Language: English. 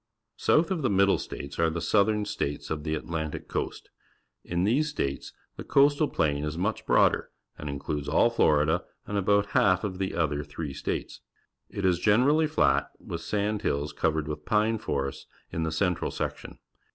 South of the Middle States are the Southern States of the Atlantic Coast. In these states the Coastal Plain is much broader and in cludes all Fhrida and about half of the other three states. It is generally flat, with sand hills coA'ered with pine forests in the central section.